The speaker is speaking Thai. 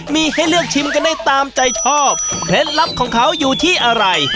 มีให้เลือกชิมกันได้ตามใจชอบเคล็ดลับของเขาอยู่ที่อะไร